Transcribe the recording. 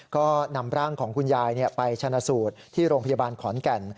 ก็นำร่างของคุณยายไปชนะสูตรที่โรงพยาบาลขอนแก่น